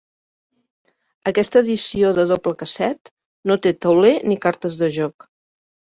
Aquesta edició de doble casset no té tauler ni cartes de joc.